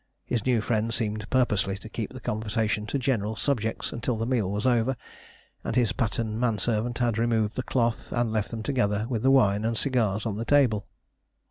His new friend seemed purposely to keep the conversation to general subjects until the meal was over and his pattern man servant had removed the cloth and left them together with the wine and cigars on the table.